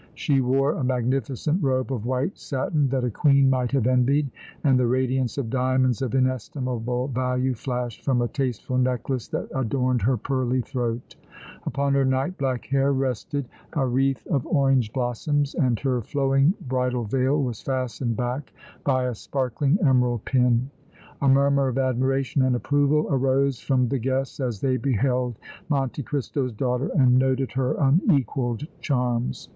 She wore a magnificent robe of white satin that a Queen might have envied and the radiance of diamonds of inestimable value flashed from a tasteful necklace that adorned her pearly throat; upon her night black hair rested a wreath of orange blossoms and her flowing bridal veil was fastened back by a sparkling emerald pin.. A murmur of admiration and approval arose from the guests as they beheld Monte Cristo's daughter and noted her unequaled charms.